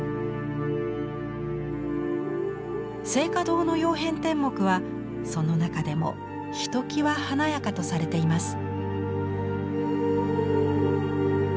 静嘉堂の「曜変天目」はその中でもひときわ華やかとされています。